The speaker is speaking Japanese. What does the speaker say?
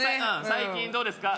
最近どうですか？